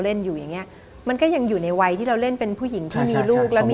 อเรนนี่ไม่อันน่ารับเล่นละครไปเรื่อยอยู่แล้ว